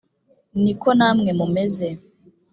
ni ko namwe mumeze